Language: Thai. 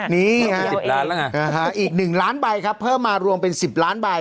นี่ฮะอีก๑ล้านใบครับเพิ่มมารวมเป็น๑๐ล้านใบ